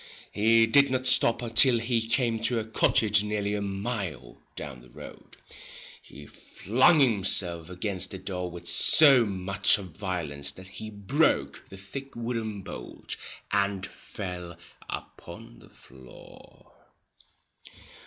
He did not stop till he came to a cottage nearly a mile 143 The down the road. He flung himself against Twilight, the door with so much of violence that he broke the thick wooden bolt and fell upon the floor.